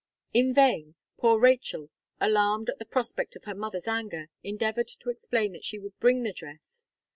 In vain, poor Rachel, alarmed at the prospect of her mother's anger, endeavoured to explain that she would bring the dress.